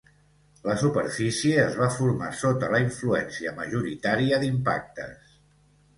La superfície es va formar sota la influència majoritària d'impactes.